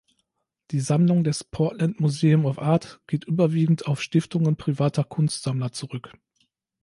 Die Sammlung des Portland Museum of Art geht überwiegend auf Stiftungen privater Kunstsammler zurück.